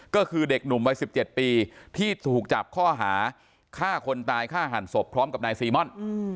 ก็คือเด็กหนุ่มวัย๑๗ปีที่ถูกจับข้อหาฆ่าคนตายฆ่าหันศพพร้อมกับนายซีม่อน